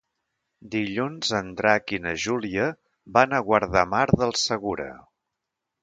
Dilluns en Drac i na Júlia van a Guardamar del Segura.